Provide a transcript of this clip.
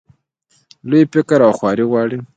لوی فکر او خواري غواړي.